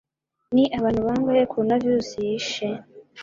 Ni Abantu bangahe coronavirus yishe?